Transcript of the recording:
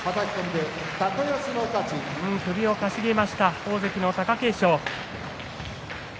首をかしげました大関の貴景勝。